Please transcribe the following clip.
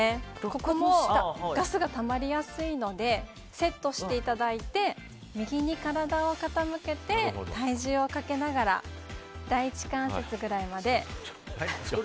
ここもガスがたまりやすいのでセットしていただいて右に体を傾けて体重をかけながら第１関節ぐらいまで。